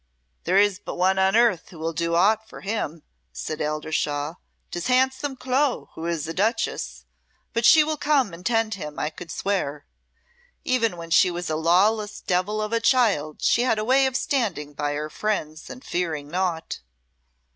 "There is but one on earth who will do aught for him," said Eldershawe. "'Tis handsome Clo, who is a duchess; but she will come and tend him, I could swear. Even when she was a lawless devil of a child she had a way of standing by her friends and fearing naught."